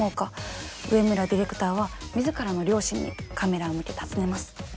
植村ディレクターは自らの両親にカメラを向け尋ねます。